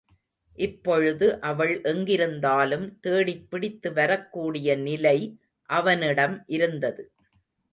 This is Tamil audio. இப்பொழுது அவள் எங்கிருந்தாலும், தேடிப்பிடித்து வரக்கூடிய நிலை அவனிடம் இருந்தது.